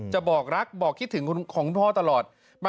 บอกรักบอกคิดถึงของคุณพ่อตลอด